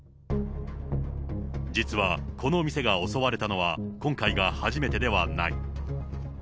実はこの店が襲われたのは、今回が初めてではない。